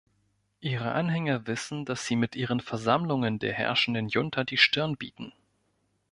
Ihre Anhänger wissen, dass sie mit ihren Versammlungen der herrschenden Junta die Stirn bieten.